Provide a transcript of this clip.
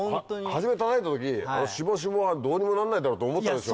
初めたたいた時あのシボシボはどうにもなんないだろうと思ったでしょ？